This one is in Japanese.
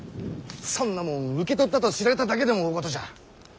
そんなもん受け取ったと知られただけでも大ごとじゃ。